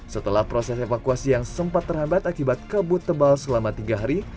setelah proses evakuasi yang sempat terhambat akibat kabut tebal selama tiga hari